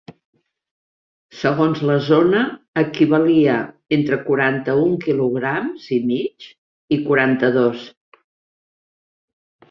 Segons la zona equivalia entre quaranta-un quilograms i mig i quaranta-dos.